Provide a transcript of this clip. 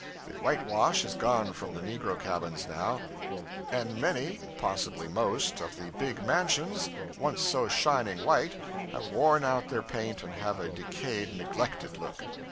The whitewash is gone from the negro cabins now; and many, possibly most, of the big mansions, once so shining white, have worn out their paint and have a decayed, neglected look.